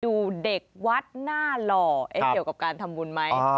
ดูเด็กวัดหน้าหล่อเกี่ยวกับการทำบุญไหม